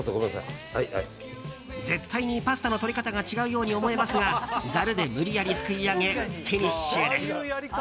絶対にパスタの取り方が違うように思えますがざるで無理やりすくい上げフィニッシュです。